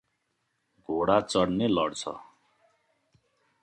घोडा चड्ने लड्छ